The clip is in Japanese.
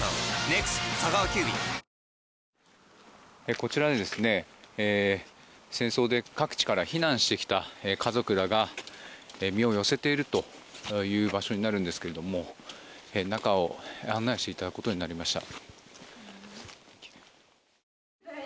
こちらにですね、戦争で各地から避難してきた家族らが身を寄せているという場所になるんですけども中を案内していただくことになりました。